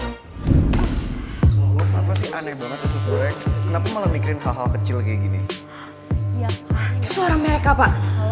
suara merek apa